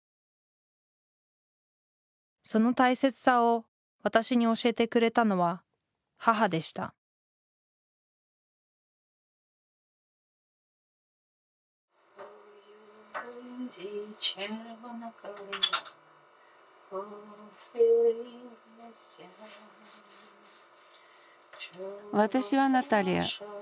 その大切さを私に教えてくれたのは母でした私はナタリヤ。